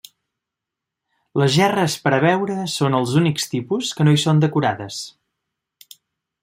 Les gerres per a veure són els únics tipus que no hi són decorades.